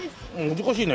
難しいね。